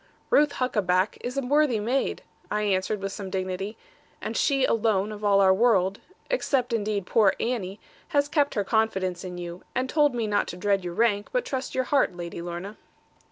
'Ruth Huckaback is a worthy maid,' I answered with some dignity; 'and she alone of all our world, except indeed poor Annie, has kept her confidence in you, and told me not to dread your rank, but trust your heart, Lady Lorna.'